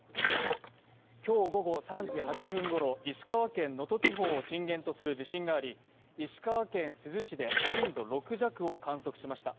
今日午後３時８分ごろ、石川県能登地方を震源とする地震があり石川県珠洲市で震度６弱を観測しました。